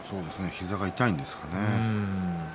膝が痛いんですかね。